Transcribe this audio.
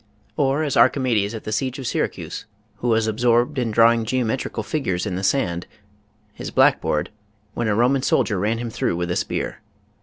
Or as Archimedes at the siege of Syracuse who was absorbed in drawing geometrical figures in the sand — ^his black board — when a Roman soldier ran him through with a spear.